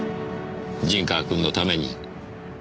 陣川君のために。